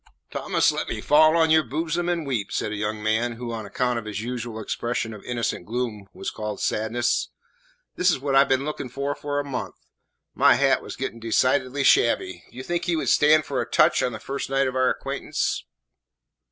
"Thomas, let me fall on your bosom and weep," said a young man who, on account of his usual expression of innocent gloom, was called Sadness. "This is what I 've been looking for for a month. My hat was getting decidedly shabby. Do you think he would stand for a touch on the first night of our acquaintance?"